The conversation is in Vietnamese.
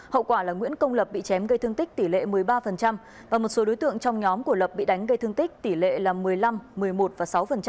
hậu quả là nguyễn công lập bị chém gây thương tích tỷ lệ một mươi ba và một số đối tượng trong nhóm của lập bị đánh gây thương tích tỷ lệ là một mươi năm một mươi một và sáu